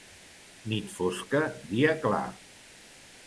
Nit fosca, dia clar.